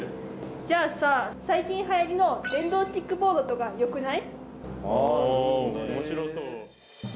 じゃあさ、最近はやりの電動キックボードとか、よくない？ああ、いいね、おもしろそう。